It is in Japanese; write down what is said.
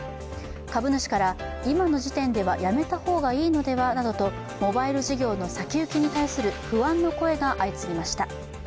株主から、今の時点ではやめた方がいいのではなどとモバイル事業の先行きに対する不安の声が相次ぎました。